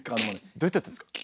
どうやってやってるんですか？